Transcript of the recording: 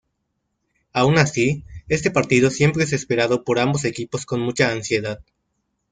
Aun así, este partido siempre es esperado por ambos equipos con mucha ansiedad.